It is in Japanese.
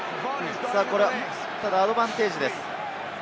これは、ただアドバンテージです。